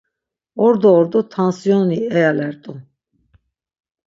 Ordo ordo tansiyoni eyalert̆u.